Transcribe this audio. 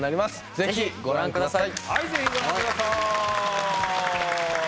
ぜひご覧ください！